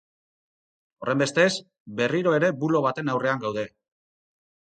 Horrenbestez, berriro ere bulo baten aurrean gaude.